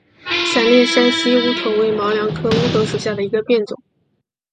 狭裂山西乌头为毛茛科乌头属下的一个变种。